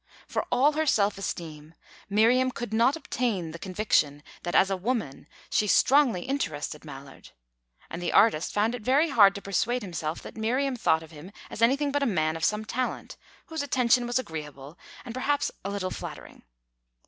For all her self esteem, Miriam could not obtain the conviction that, as a woman, she strongly interested Mallard; and the artist found it very hard to persuade himself that Miriam thought of him as anything but a man of some talent, whose attention was agreeable, and perhaps a little flattering.